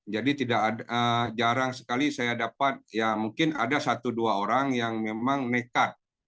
jadi tidak ada jarang sekali saya dapat ya mungkin ada satu dua orang yang memang nekat